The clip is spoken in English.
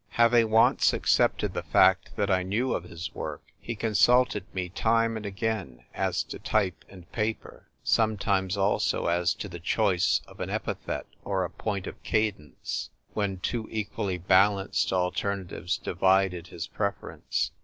Having once accepted the fact that I knew of his work, he consulted me time and again as to type and paper — sometimes also as to the choice of an epithet or a point of cadence, when two equally balanced alter natives divided his preference.